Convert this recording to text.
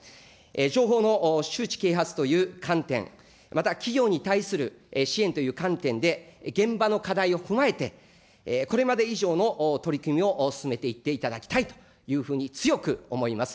情報の周知啓発という観点、また企業に対する支援という観点で、現場の課題を踏まえて、これまで以上の取り組みを進めていっていただきたいというふうに強く思います。